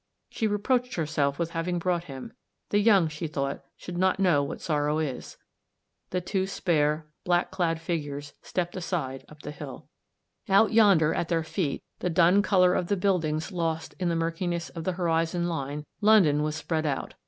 She reproached herself with having brought him ; the young, she thought, should not know what sorrow is. The two spare, black clad figures stepped aside up the hill. Out yonder, at their feet, the dun colour of the buildings lost in the murkiness of the horizon line, London was spread out.